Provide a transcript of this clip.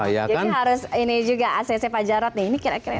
harus ini juga aset pak jarod nih ini kira kira